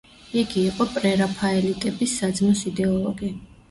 იგი იყო პრერაფაელიტების საძმოს იდეოლოგი.